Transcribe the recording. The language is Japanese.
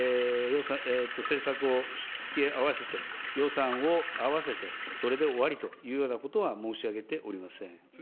政策を引っ付け合わせて、予算を合わせて、それで終わりというようなことは申し上げておりません。